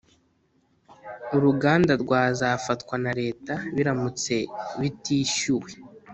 Uruganda rwazafatwa na Leta biramutse bitishyuwe